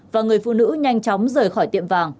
và người phụ nữ nhanh chóng rời khỏi tiệm vàng